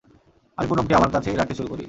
আমি পুনমকে আমার কাছেই রাখতে শুরু করি।